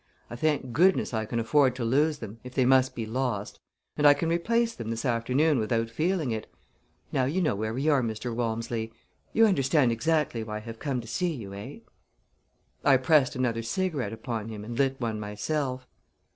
I thank goodness I can afford to lose them, if they must be lost, and I can replace them this afternoon without feeling it. Now you know where we are, Mr. Walmsley. You understand exactly why I have come to see you, eh?" I pressed another cigarette upon him and lit one myself.